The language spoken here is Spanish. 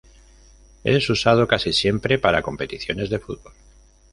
Es usado casi siempre para competiciones de fútbol.